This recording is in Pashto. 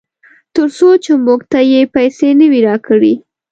ترڅو چې موږ ته یې پیسې نه وي راکړې.